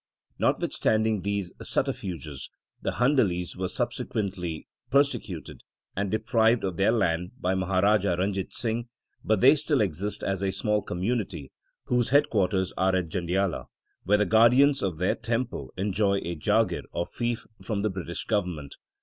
Notwithstanding these subter fuges, the Handalis were subsequently persecuted and deprived of their land by Maharaja Ran jit Singh, but they still exist as a small community, whose head quarters are at Jandiala, where the guardians of their temple enjoy a jagir or fief from the British Government.